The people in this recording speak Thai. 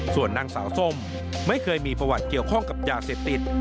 ส่วนนางสาวส้มไม่เคยมีประวัติเกี่ยวข้องกับยาเสพติด